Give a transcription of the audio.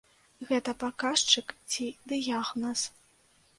Гэта паказчык ці дыягназ?